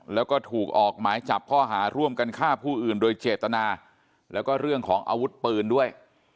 แล้วก็ถูกออกหมายจับข้อหาร่วมกันฆ่าผู้อื่นโดยเจตนาแล้วก็เรื่องของอาวุธปืนด้วย